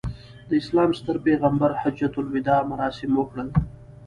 د اسلام ستر پیغمبر حجته الوداع مراسم وکړل.